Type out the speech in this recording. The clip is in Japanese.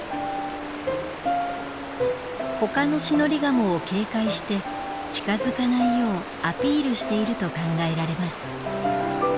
他のシノリガモを警戒して近づかないようアピールしていると考えられます。